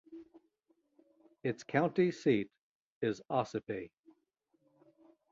Its county seat is Ossipee.